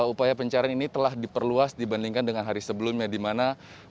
upaya pencarian ini telah diperluas dibandingkan dengan hari sebelumnya di mana